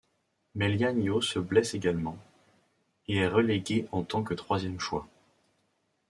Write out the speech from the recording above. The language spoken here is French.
Mais Liaño se blesse également, et est relégué en tant que troisième choix.